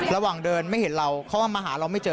ระหว่างเดินไม่เห็นเราเขามาหาเราไม่เจอ